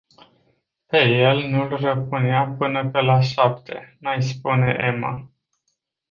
Pe el nu-l răpunea până pe la șapte, mai spune Ema.